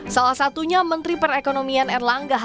salah satunya menteri perekonomian erlangga